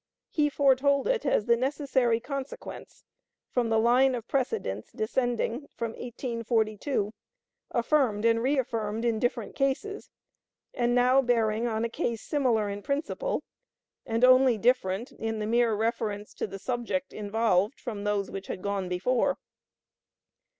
He foretold it as the necessary consequence from the line of precedents descending from 1842, affirmed and reaffirmed in different cases, and now bearing on a case similar in principle, and only different in the mere reference to the subject involved from those which had gone before.